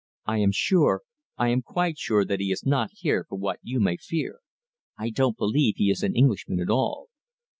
"I am sure, I am quite sure that he is not here for what you may fear. I don't believe he is an Englishman at all."